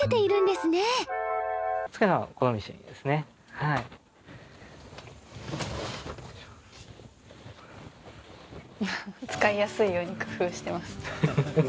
はい使いやすいように工夫してますね